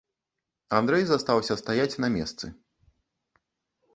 Андрэй застаўся стаяць на месцы.